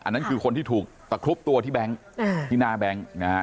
นั่นคือคนที่ถูกตะครุบตัวที่แบงค์ที่หน้าแบงค์นะฮะ